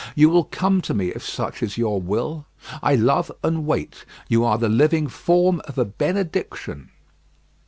You will come to me if such is your will. I love and wait. You are the living form of a benediction."